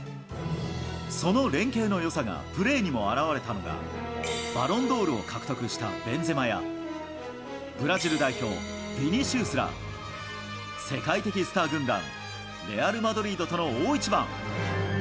その連係のよさがプレーにも現れたのが、バロンドールを獲得したベンゼマや、ブラジル代表、ヴィニシウスら、世界的スター軍団、レアル・マドリードとの大一番。